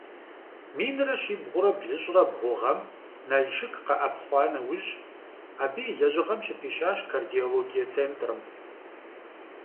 Минрэ щибгъурэ блыщӏрэ бгъу гъэм, Налшык къэӏэпхъуа нэужь, абы и лэжьыгъэм щыпищащ Кардиологие центрым.